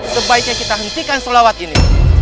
sebaiknya kita hentikan sholawat ini